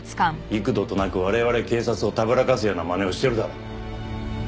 幾度となく我々警察をたぶらかすような真似をしてるだろう。